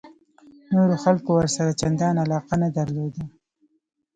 نورو خلکو ورسره چندان علاقه نه درلوده.